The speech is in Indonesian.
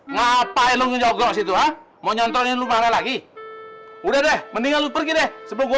ngapa lo mau nyantorin rumahnya lagi udah mendingan lu pergi deh sebelum